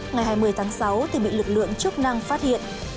ngày hai mươi tháng sáu thì bị lực lượng chức năng phát hiện